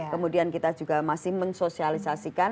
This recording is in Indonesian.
kemudian kita juga masih mensosialisasikan